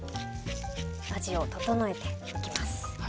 味を調えていきます。